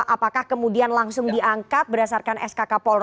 apakah kemudian langsung diangkat berdasarkan skp